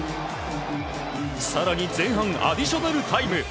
更に前半アディショナルタイム。